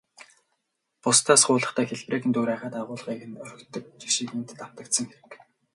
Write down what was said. Бусдаас хуулахдаа хэлбэрийг нь дуурайгаад, агуулгыг нь орхидог жишиг энд давтагдсан хэрэг.